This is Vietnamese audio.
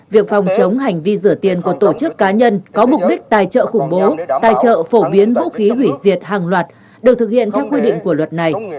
việc phòng chống hành vi rửa tiền của tổ chức cá nhân có mục đích tài trợ khủng bố tài trợ phổ biến vũ khí hủy diệt hàng loạt được thực hiện theo quy định của luật này